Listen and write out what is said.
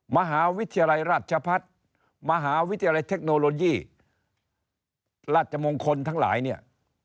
มหาวิทยาลัยราชพัฒน์มหาวิทยาลัยเทคโนโลยีราชมงคลทั้งหลายเนี่ย